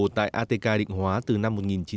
tại atk định hóa từ năm một nghìn chín trăm bốn mươi bảy